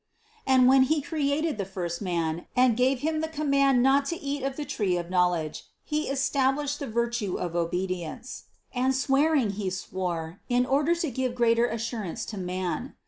And when He cre ated the first man and gave him the command not to eat INTRODUCTION 9 of the tree of knowledge, he established the virtue of obedience, and swearing He swore, in order to give greater assurance to man.